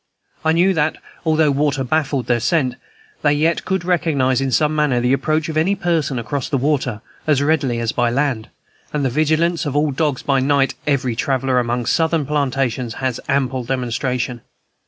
I knew that, although water baffled their scent, they yet could recognize in some manner the approach of any person across water as readily as by land; and of the vigilance of all dogs by night every traveller among Southern plantations has ample demonstration.